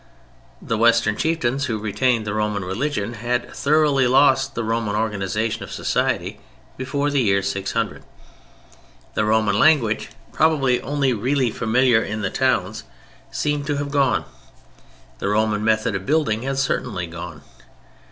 The Western chieftains who retained the Roman Religion had thoroughly lost the Roman organization of society before the year 600. The Roman language, probably only really familiar in the towns, seems to have gone; the Roman method of building had certainly gone.